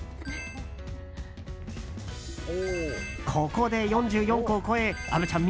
ここで４４個を超え虻ちゃん